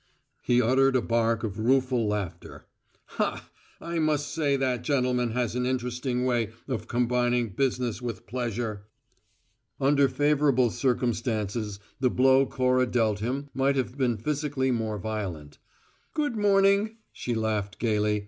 He uttered a bark of rueful laughter. "Ha! I must say that gentleman has an interesting way of combining business with pleasure!" Under favourable circumstances the blow Cora dealt him might have been physically more violent. "Good morning," she laughed, gayly.